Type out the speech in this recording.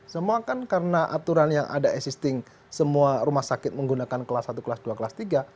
semua kan karena aturan yang ada existing semua rumah sakit menggunakan kelas satu kelas dua kelas tiga